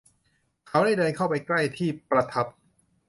เขาได้เดินเข้าไปใกล้ที่ประทับ